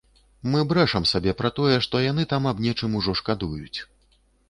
Мы брэшам сабе пра тое, што яны там аб нечым ужо шкадуюць.